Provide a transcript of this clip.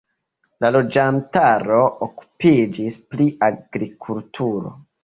La loĝantaro okupiĝis pri agrikulturo.